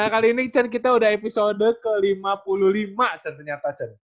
nah kali ini cen kita udah episode ke lima puluh lima cen ternyata cen